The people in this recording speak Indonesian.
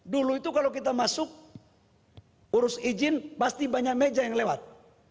dulu itu kalau kita masuk urus izin pasti banyak meja yang lewat